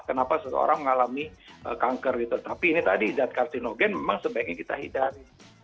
tapi ini tadi zat karsinogen memang sebaiknya kita hidar